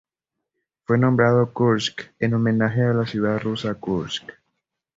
Fue nombrado Kursk en homenaje a la ciudad rusa Kursk.